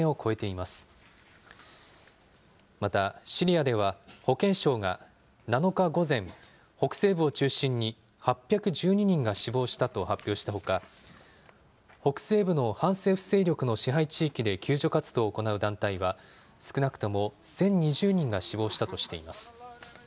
また、シリアでは保健省が７日午前、北西部を中心に８１２人が死亡したと発表したほか、北西部の反政府勢力の支配地域で救助活動を行う団体は、少なくとも１０２０人が死亡したとしています。